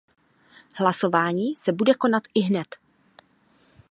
Hlasování se bude konat ihned.